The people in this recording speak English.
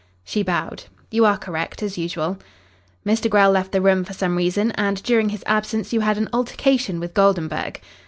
She bowed. "You are correct, as usual." "Mr. Grell left the room for some reason, and during his absence you had an altercation with Goldenburg."